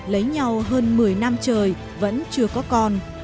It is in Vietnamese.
lấy nhau hơn một mươi năm trời vẫn chưa có con